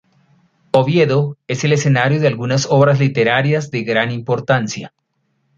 Oviedo es el escenario de algunas obras literarias de gran importancia.